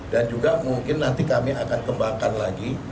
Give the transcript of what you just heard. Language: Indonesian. dan juga mungkin nanti kami akan kembangkan lagi